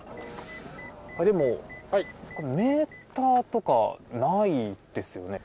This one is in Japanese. でも、メーターとかないですよね。